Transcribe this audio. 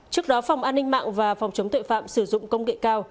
trước đó phòng an ninh mạng và phòng chống tội phạm sử dụng công nghệ cao